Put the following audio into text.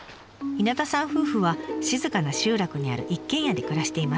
稲田さん夫婦は静かな集落にある一軒家で暮らしています。